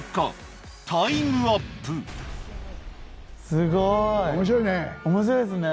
すごーい面白いっすね